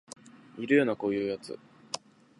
いるよなこういうやつ